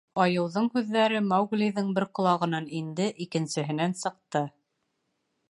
Айыуҙың һүҙҙәре Мауглиҙың бер ҡолағынан инде, икенсеһенән сыҡты.